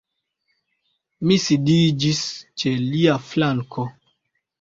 Mi sidiĝis ĉe lia flanko.